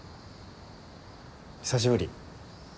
久しぶり。